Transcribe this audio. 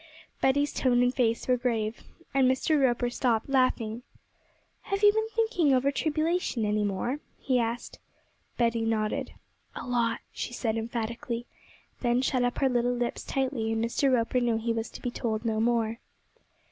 Betty's tone and face were grave, and Mr. Roper stopped laughing. 'Have you been thinking over tribulation any more?' he asked. Betty nodded. 'A lot,' she said emphatically, then shut up her little lips tightly; and Mr. Roper knew he was to be told no more.